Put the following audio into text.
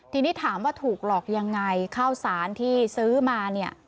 ทีนี้ถามว่าถูกหลอกยังไงข้าวสารที่ซื้อมาเนี่ย